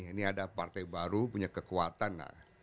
ini ada partai baru punya kekuatan